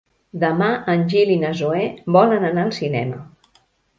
Demà en Gil i na Zoè volen anar al cinema.